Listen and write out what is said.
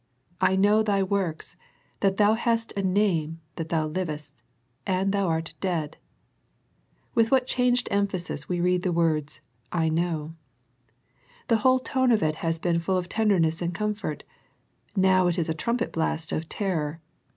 " I know thy works, that thou hast a name that thou livest, and thou art dead." With what changed emphasis we read the words " I know." The whole tone of it has been full of tenderness and comfort. Now it is a trumpet blast of terror.